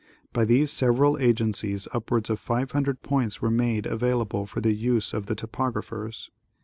By these several agencies upwards of 500 points were made available for the use of the topographers.